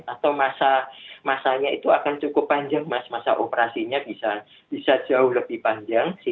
atau masanya itu akan cukup panjang mas masa operasinya bisa jauh lebih panjang